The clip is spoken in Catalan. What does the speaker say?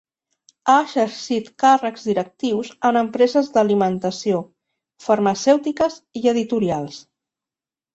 Ha exercit càrrecs directius en empreses d'alimentació, farmacèutiques i editorials.